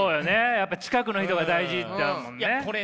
やっぱ近くの人が大事ってあるもんね。